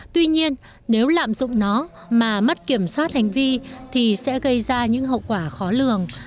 tuy nhiên nếu lạm dụng nó mà mất kiểm soát hành vi thì sẽ gây ra những hậu quả khó lường